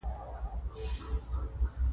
جانداد د خندا دوستانه څېرہ ده.